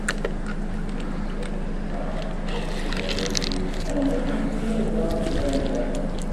Nusa-d ass-a ad as-nerr tajmilt, am wakken yella da gar-aneɣ.